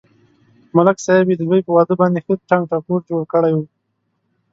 ملک صاحب یې د زوی په واده باندې ښه ټنگ ټکور جوړ کړی و.